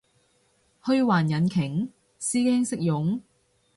虛幻引擎？師兄識用？